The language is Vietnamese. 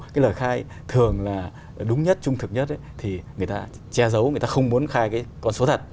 cái lời khai thường là đúng nhất trung thực nhất thì người ta che giấu người ta không muốn khai cái con số thật